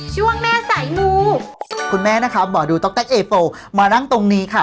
ช่วงแม่สายมูคุณแม่นะคะหมอดูต๊อกแก๊กเอโปมานั่งตรงนี้ค่ะ